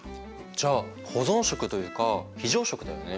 じゃあ保存食というか非常食だよね。